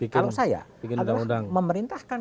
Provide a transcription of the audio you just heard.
kalau saya adalah memerintahkan